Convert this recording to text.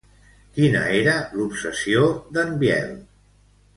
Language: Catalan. Quina era l'obsessió d'en Biel?